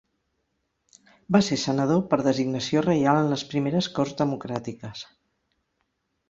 Va ser senador per designació reial en les primeres corts democràtiques.